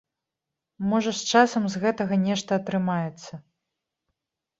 Можа, з часам з гэтага нешта атрымаецца.